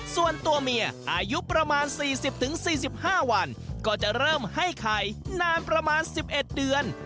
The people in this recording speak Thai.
ส่วนตัวเมียอายุประมาณ๔๐๔๕วันก็จะเริ่มให้ไข่นานประมาณ๑๑เดือน